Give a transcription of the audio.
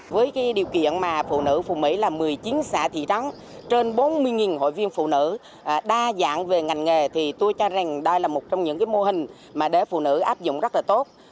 với điều kiện phụ nữ phụ mấy là một mươi chín xã thị trắng trên bốn mươi hội viên phụ nữ đa dạng về ngành nghề tôi cho rằng đây là một trong những mô hình để phụ nữ áp dụng rất tốt